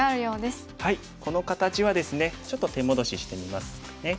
この形はですねちょっと手戻ししてみますかね。